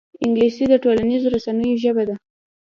انګلیسي د ټولنیزو رسنیو ژبه ده